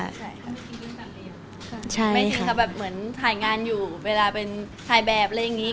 ใช่ค่ะไม่จริงค่ะแบบเหมือนถ่ายงานอยู่เวลาเป็นถ่ายแบบอะไรอย่างนี้